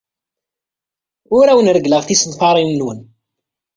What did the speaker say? Ur awen-reggleɣ tisenfarin-nwen.